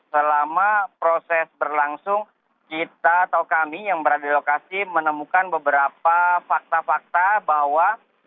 selama proses berlangsung kita atau kami yang berada di lokasi menemukan beberapa fakta fakta bahwa